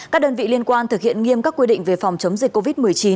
các đơn vị liên quan thực hiện nghiêm các quy định về phòng chống dịch covid một mươi chín